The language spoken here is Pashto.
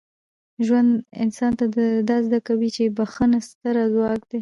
ژوند انسان ته دا زده کوي چي بخښنه ستره ځواک ده.